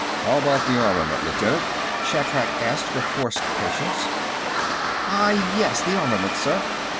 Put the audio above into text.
"How about the armament, Lieutenant?" Shatrak asked with forced patience. "Ah, yes; the armament, sir.